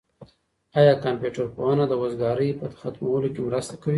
آیا کمپيوټر پوهنه د وزګارۍ په ختمولو کي مرسته کوي؟